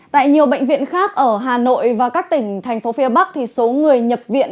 tại nhiều bệnh viện khác ở hà nội và các tỉnh tp phb thì số người nhập viện